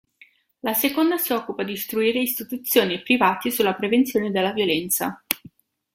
La seconda si occupa di istruire istituzioni e privati sulla prevenzione della violenza.